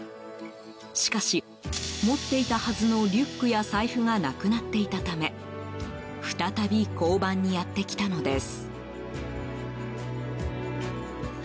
しかし、持っていたはずのリュックや財布がなくなっていたため再び交番にやってきたのです。